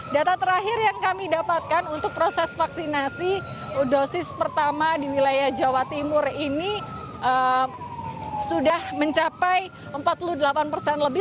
data terakhir yang kami dapatkan untuk proses vaksinasi dosis pertama di wilayah jawa timur ini sudah mencapai empat puluh delapan persen lebih